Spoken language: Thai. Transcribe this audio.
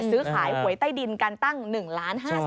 ซื้อขายหวยใต้ดินการตั้ง๑๕๐๐๐๐๐บาท